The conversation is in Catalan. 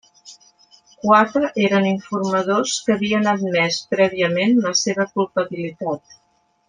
Quatre eren informadors que havien admès prèviament la seva culpabilitat.